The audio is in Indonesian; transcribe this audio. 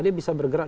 mkd bisa bergerak